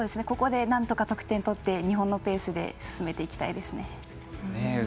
ここでなんとか得点取って日本のペースで進めていきたいですね。